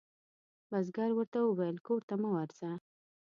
بزګر ورته وویل کور ته مه ورځه.